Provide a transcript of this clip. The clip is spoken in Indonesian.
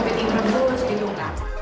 piting piting terus gitu enggak